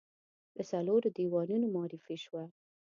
د څلورو دیوانونو معرفي شوه.